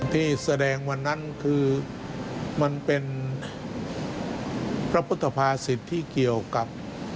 ที่แสดงวันนั้นคือมันเป็นพระพุทธภาษิตที่เกี่ยวกับ